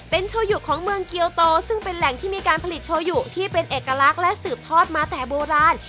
โชยุของเมืองเกียวโตซึ่งเป็นแหล่งที่มีการผลิตโชยุที่เป็นเอกลักษณ์และสืบทอดมาแต่โบราณ